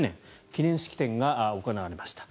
記念式典が行われました。